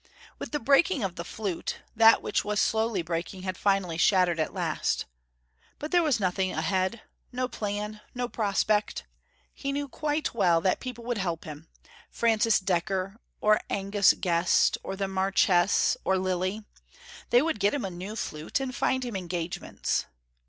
With the breaking of the flute, that which was slowly breaking had finally shattered at last. And there was nothing ahead: no plan, no prospect. He knew quite well that people would help him: Francis Dekker or Angus Guest or the Marchese or Lilly. They would get him a new flute, and find him engagements.